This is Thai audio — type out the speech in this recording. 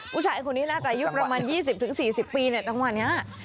ผู้ชายคนนี้น่าจะยุคประมาณ๒๐๔๐ปีตั้งวันนี้